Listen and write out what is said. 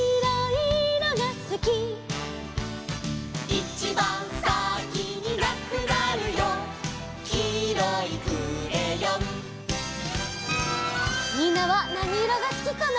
「いちばんさきになくなるよ」「きいろいクレヨン」みんなはなにいろがすきかな？